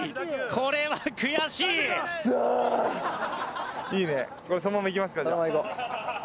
これそのままいきますかじゃあ。